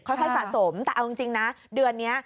ค่อยสะสมแต่เอาจริงนะเดือนนี้